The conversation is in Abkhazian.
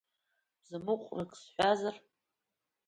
Бзамыҟәрак сҳәазар?